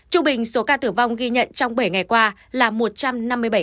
trung bình số ca tử vong ghi nhận trong bảy ngày qua là một trăm năm mươi bảy ca